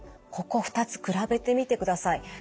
ここ２つ比べてみてください。